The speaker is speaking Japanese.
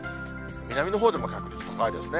南のほうでも確率、高いですね。